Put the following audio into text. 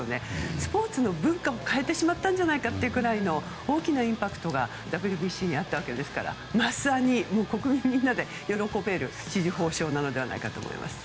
スポーツの文化も変えてしまったんじゃないかというぐらいの大きなインパクトがＷＢＣにあったわけですから国民みんなで喜べる紫綬褒章なのではないかと思います。